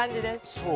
そう